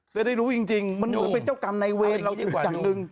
จะได้รู้จริงมันเหมือนเป็นเจ้ากรรมในเวรเราที่สุดอย่างหนึ่ง